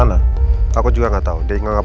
aku juga gak tau